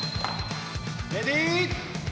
レディー。